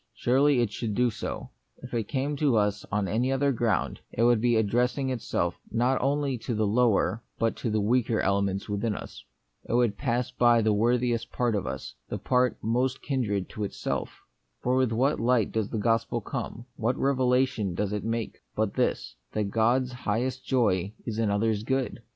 Surely it should do so. If it came to us on any other ground, it would be addressing it self not only to lower but to weaker elements within us. It would pass by the worthiest part of us, the part most kindred to itself. For with what light does the gospel come, what revelation does it make, but this, that God's highest joy is in others' good